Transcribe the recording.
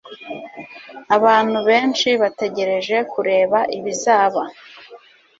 abantu benshi bategereje kureba ibizaba